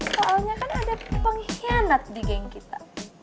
soalnya kan ada pengkhianat di geng kita